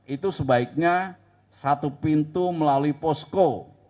itu sebaiknya satu pintu melalui posko